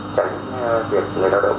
tránh việc người lao động